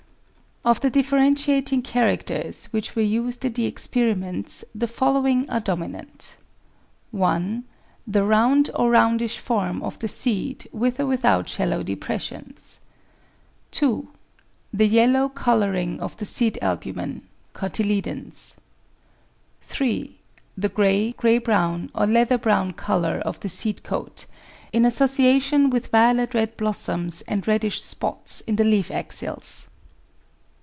1 Of the differentiating characters which were used in the experi ments the following are dominant : 1. The round or roundish form of the seed with or without shallow depressions. 2. The yellow colouring of the seed albumen [cotyledons]. 3. The grey, grey brown, or leather brown colour of the seed coat, in association with violet red blossoms and reddish spots in the leaf axils.